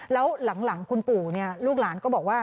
แล้วหลังคุณปู่ลูกหลานก็บอกว่า